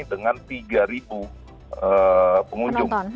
dengan tiga ribu pengunjung